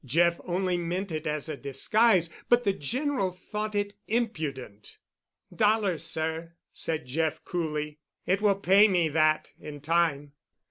Jeff only meant it as a disguise, but the General thought it impudent. "Dollars, sir," said Jeff coolly. "It will pay me that—in time."